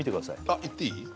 あっいっていい？